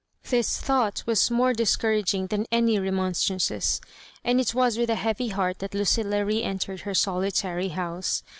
This thought was more discouraging than any remon strances ; and it was with a heavy heart that Lu cilla re entered her solitary house.